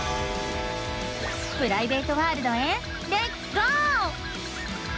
プライベートワールドへレッツゴー！